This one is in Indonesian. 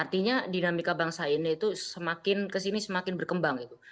artinya dinamika bangsa ini itu semakin kesini semakin berkembang gitu